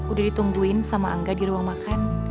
udah ditungguin sama angga di ruang makan